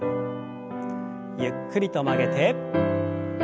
ゆっくりと曲げて。